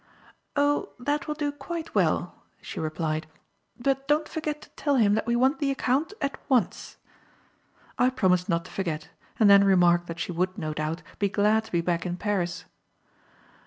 "Oh, that will do quite well," she replied, "but don't forget to tell him that we want the account at once." I promised not to forget, and then remarked that she would, no doubt, be glad to be back in Paris.